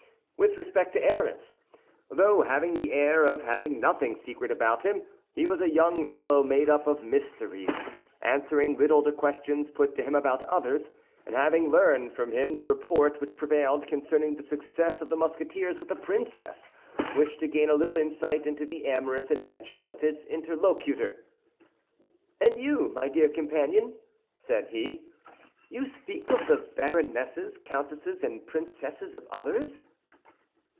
With respect to Aramis, though having the air of having nothing secret about him, he was a young fellow made up of mysteries, answering little to questions put to him about others, and having learned from him the report which prevailed concerning the success of the Musketeer with a princess, wished to gain a little insight into the amorous adventures of his interlocutor. "And you, my dear companion," said he, "you speak of the baronesses, countesses, and princesses of others?"